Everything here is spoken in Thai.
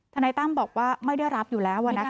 นายตั้มบอกว่าไม่ได้รับอยู่แล้ว